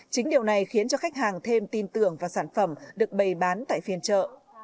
chính điều này khiến cho khách hàng thêm tin tưởng vào sản phẩm được bày bán tại phiên chợ